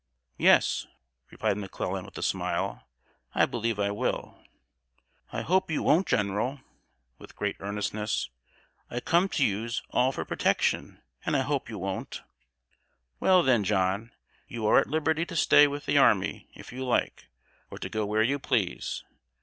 "Yes," replied McClellan, with a smile, "I believe I will." "I hope you won't, General" (with great earnestness). "I come to you'se all for protection, and I hope you won't." "Well, then, John, you are at liberty to stay with the army, if you like, or to go where you please.